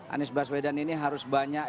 anies baswedan ini harus banyak